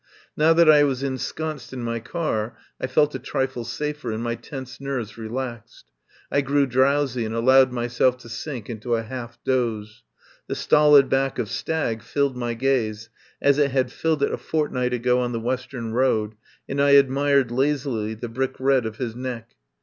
Now that I was ensconced in my car I felt a trifle safer, and my tense nerves relaxed. I grew drowsy and allowed myself to sink into a half doze. The stolid back of Stagg filled my gaze, as it had filled it a fortnight ago on the western road, and I admired lazily the brick red of his neck.